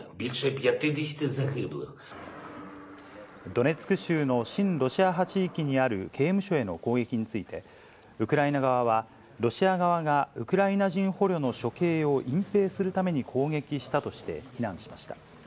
ドネツク州の親ロシア派地域にある刑務所への攻撃について、ウクライナ側は、ロシア側がウクライナ人捕虜の処刑を隠蔽するために攻撃したとして非難しました。